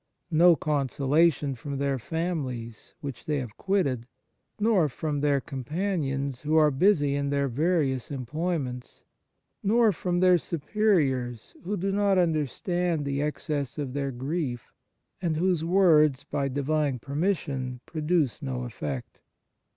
No consolation from their families, which they have quitted ; nor from their companions, who are busy in their various employments ; nor from their Superiors, who do not under stand the excess of their grief, and whose words by Divine permission produce no effect.